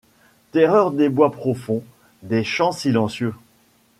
Terreur des bois profonds, des champs silencieux